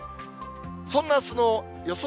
そんなあすの予想